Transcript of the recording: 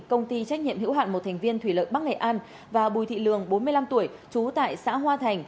công ty trách nhiệm hữu hạn một thành viên thủy lợi bắc nghệ an và bùi thị lường bốn mươi năm tuổi trú tại xã hoa thành